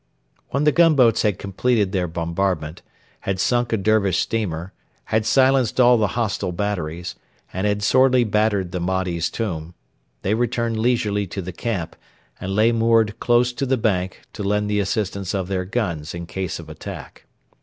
When the gunboats had completed their bombardment, had sunk a Dervish steamer, had silenced all the hostile batteries, and had sorely battered the Mahdi's Tomb, they returned leisurely to the camp, and lay moored close to the bank to lend the assistance of their guns in case of attack.